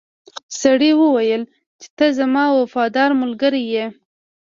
سړي وویل چې ته زما وفادار ملګری یې.